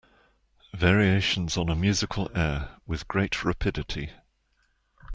Variations on a musical air With great rapidity.